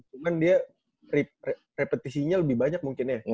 cuman dia repetisinya lebih banyak mungkin ya